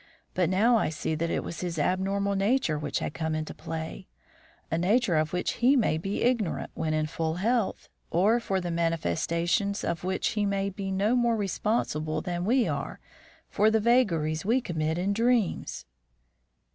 But now I see that it was his abnormal nature which had come into play, a nature of which he may be ignorant when in full health, and for the manifestations of which he may be no more responsible than we are for the vagaries we commit in dreams."